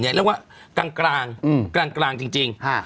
เรียกว่ากลางจริง